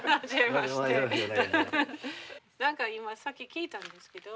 何か今さっき聞いたんですけど。